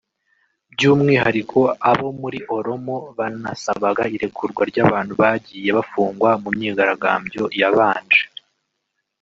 by’umwihariko abo muri Oromo banasabaga irekurwa ry’abantu bagiye bafungwa mu myigaragambyo yabanje